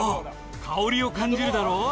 香りを感じるだろ。